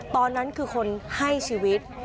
ตอนนั้นคือคนให้ชีวิต